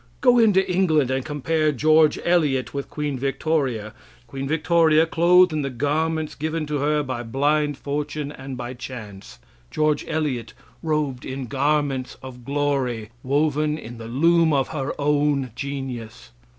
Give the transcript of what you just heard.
Go into England and compare George Eliot with Queen Victoria Queen Victoria, clothed in the garments given to her by blind fortune and by chance. George Elliot, robed in garments of glory, woven in the loom of her own genius.